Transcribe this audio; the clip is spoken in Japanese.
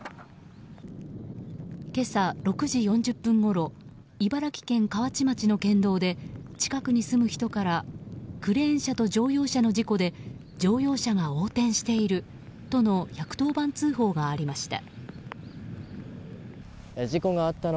今朝６時４０分ごろ茨城県河内町の県道で近くに住む人からクレーン車と乗用車の事故で乗用車が横転しているとの１１０番通報がありました。